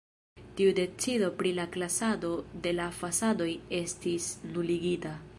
Tiu decido pri la klasado de la fasadoj estis nuligita.